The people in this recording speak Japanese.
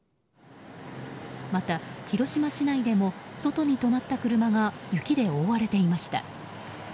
また広島市内でも外に止まった車が雪で覆われていました。